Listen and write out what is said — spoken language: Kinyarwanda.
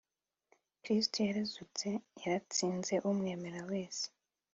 kristu yarazutse, yaratsinze, umwemera wese